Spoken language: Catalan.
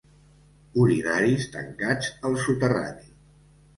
Urinaris tancats al soterrani.